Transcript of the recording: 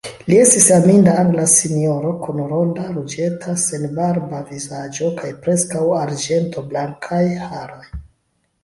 Li estis aminda angla sinjoro kun ronda, ruĝeta, senbarba vizaĝo kaj preskaŭ arĝentoblankaj haroj.